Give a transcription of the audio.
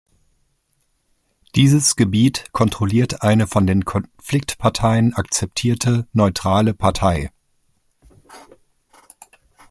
Dieses Gebiet kontrolliert eine von den Konfliktparteien akzeptierte neutrale Partei.